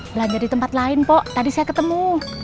belanja di tempat lain pok tadi saya ketemu